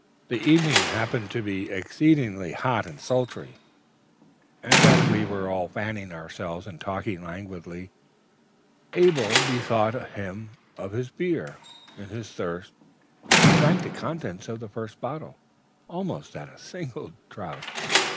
The evening happened to be exceedingly hot and sultry; and, as we were all fanning ourselves and talking languidly, Abel bethought him of his beer. In his thirst, he drank the contents of the first bottle, almost at a single draught.